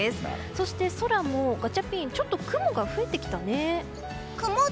そして、空もガチャピン、ちょっと雲が増えてきたね。